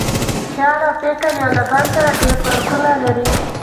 خیال او فکر یو له بل سره ډېر فرقونه لري.